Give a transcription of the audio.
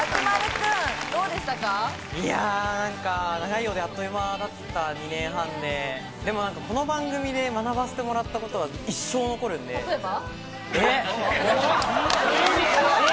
長いようであっという間だった２年半で、でもこの番組で学ばせてもらったことは例えば？